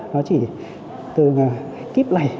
nó chỉ từng kíp này